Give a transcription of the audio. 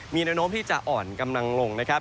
มีแนวโน้มที่จะอ่อนกำลังลงนะครับ